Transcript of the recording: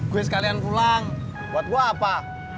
gue sekalian pulang buat gue apa